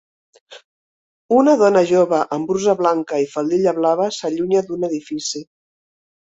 Una dona jove amb brusa blanca i faldilla blava s'allunya d'un edifici.